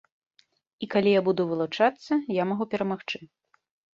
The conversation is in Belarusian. І калі я буду вылучацца, я магу перамагчы.